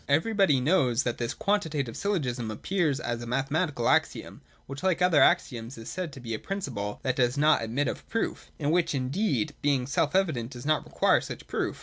Everybody knows that this Quantitative syllogism appears as a mathematical axiom, which like other axioms is said to be a principle that does not admit of proof, and which in deed being self evident does not require such proof.